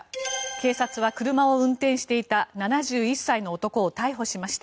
警察は車を運転していた７１歳の男を逮捕しました。